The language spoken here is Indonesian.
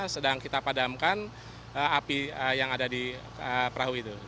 sedang kita padamkan api yang ada di perahu itu